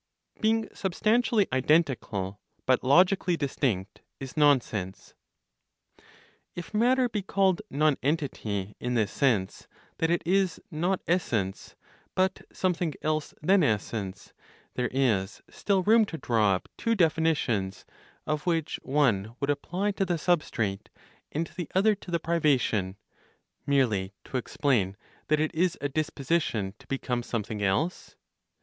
BEING SUBSTANTIALLY IDENTICAL, BUT LOGICALLY DISTINCT IS NONSENSE. If matter be called nonentity in this sense that it is not essence, but something else than essence, there is still room to draw up two definitions, of which one would apply to the substrate, and the other to the privation, merely to explain that it is a disposition to become something else?